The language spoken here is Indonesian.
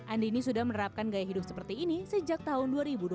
andini sudah menerapkan gaya hidup seperti ini sejak tahun dua ribu dua belas